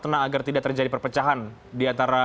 tenang agar tidak terjadi perpecahan diantara